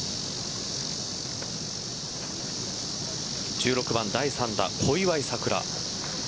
１６番、第３打小祝さくら。